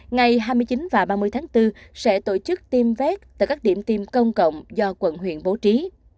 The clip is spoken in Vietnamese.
ngày hai mươi chín và ba mươi tháng bốn sẽ tổ chức tiêm vét tại các điểm tiêm công cộng do quận huyện bố trí